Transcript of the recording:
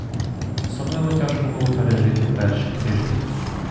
Особливо тяжко було пережити перший тиждень.